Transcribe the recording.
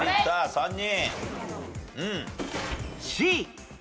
３人。